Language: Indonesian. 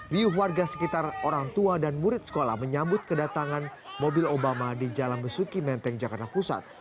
riuh warga sekitar orang tua dan murid sekolah menyambut kedatangan mobil obama di jalan besuki menteng jakarta pusat